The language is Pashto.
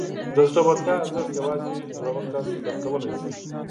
د زړورتیا ارزښت یوازې زړور کس درک کولی شي.